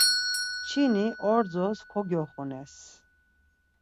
Kçini ordzos kogyoxunes.